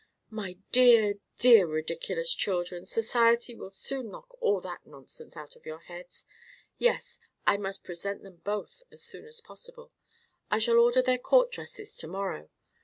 My dear, dear, ridiculous children, society will soon knock all that nonsense out of your heads. Yes, I must present them both as soon as possible. I shall order their court dresses to morrow.